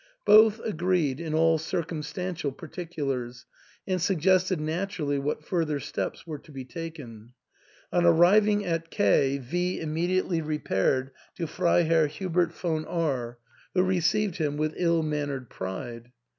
Both agreed in all circumstantial particulars, and sug gested naturally what further steps were to be taken. On arriving at K , V immediately repaired to Freiherr Hubert von R— — y who received him with ill mannered pride.